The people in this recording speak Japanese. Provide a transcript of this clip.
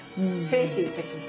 精神的に。